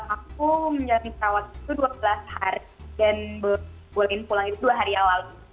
aku menjalani perawatan itu dua belas hari dan bolehin pulang itu dua hari awal